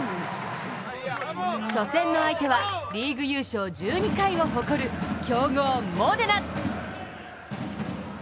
初戦の相手はリーグ優勝１２回を誇る強豪モデナ。